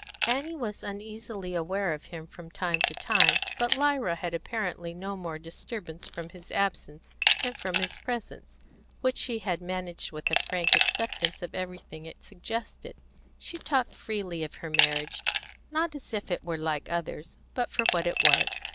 Annie was uneasily aware of him from time to time, but Lyra had apparently no more disturbance from his absence than from his presence, which she had managed with a frank acceptance of everything it suggested. She talked freely of her marriage, not as if it were like others, but for what it was.